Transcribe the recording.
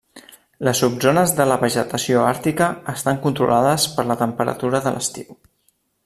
Les subzones de la vegetació àrtica estan controlades per la temperatura de l'estiu.